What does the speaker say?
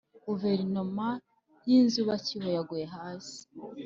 guverinoma y inzibacyuho yaguye hasi